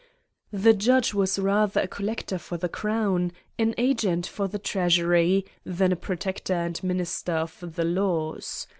The judge was rather a col lector for the crown, an agent for the treasury, than a protector and minister of the laws.